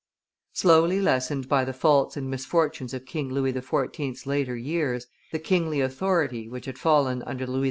Slowly lessened by the faults and misfortunes of King Louis XIV.'s later years, the kingly authority, which had fallen, under Louis XV.